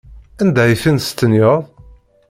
Anda ay ten-testenyaḍ?